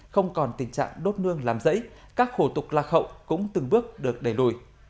không còn tình trạng đốt nương làm rẫy các khổ tục lạc hậu cũng từng bước được đẩy lùi